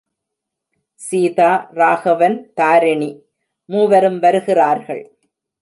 சீதா, ராகவன், தாரிணி மூவரும் வருகிறார்கள்.